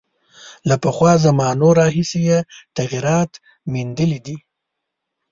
له پخوا زمانو راهیسې یې تغییرات میندلي دي.